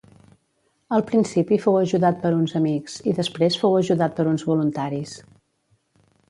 Al principi fou ajudat per uns amics i després fou ajudat per uns voluntaris.